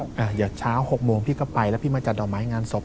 เดี๋ยวเช้า๖โมงพี่ก็ไปแล้วพี่มาจัดดอกไม้งานศพ